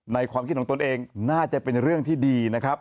ความคิดของตนเองน่าจะเป็นเรื่องที่ดีนะครับ